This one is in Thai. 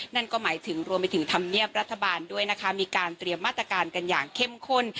นั่นก็หมายถึงรวมไปถึงธรรมเนียบรัฐบาลด้วยนะคะมีการเตรียมมาตรการกันอย่างเข้มข้น